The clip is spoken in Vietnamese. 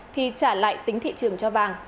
thì trả lại tính thị trường cho vàng